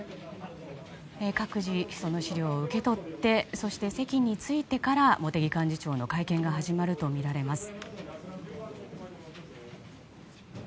各自、その資料を受け取ってそして、席についてから茂木幹事長の会見が始まるとみられます。